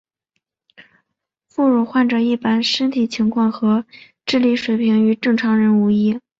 副乳患者一般身体情况和智力水平与正常人无异。